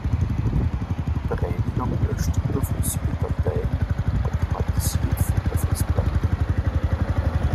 Die Bereinigung löscht überflüssige Dateien automatisiert von der Festplatte.